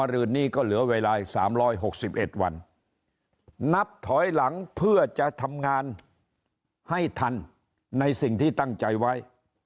หรือก็เหลือเวลา๓๖๑วันนับถอยหลังเพื่อจะทำงานให้ทันในสิ่งที่ตั้งใจไว้